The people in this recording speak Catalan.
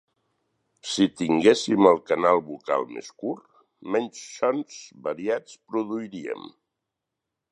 Si tinguéssim el canal vocal més curt, menys sons variats produiríem.